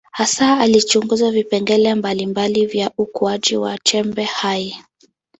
Hasa alichunguza vipengele mbalimbali vya ukuaji wa chembe hai.